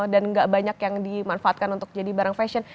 dan gak banyak yang dimanfaatkan untuk jadi barang fashion